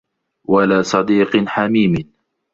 وَلا صَديقٍ حَميمٍ